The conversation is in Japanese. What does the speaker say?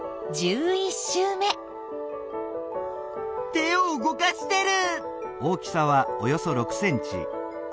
手を動かしてる！